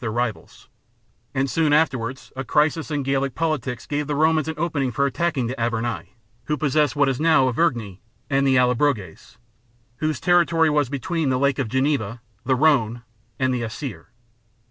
c. their rivals ; and soon afterwards a crisis in Gallic politics gave the Romans an opening for attacking the Arverni, who possessed what is now Auvergne, and the Allobroges, whose territory was between the Lake of Geneva, the Rhone, and the Isere.